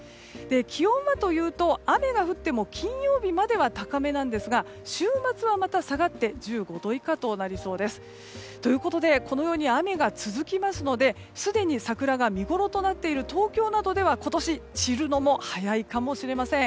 気温はというと雨が降っても金曜日までは高めなんですが週末はまた下がって１５度以下となりそうです。ということでこのように雨が続きますのですでに桜が見ごろとなっている東京などでは今年、散るのも早いかもしれません。